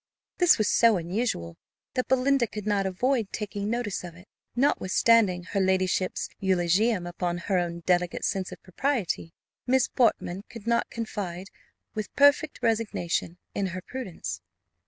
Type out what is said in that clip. This was so unusual, that Belinda could not avoid taking notice of it. Notwithstanding her ladyship's eulogium upon her own delicate sense of propriety, Miss Portman could not confide, with perfect resignation, in her prudence.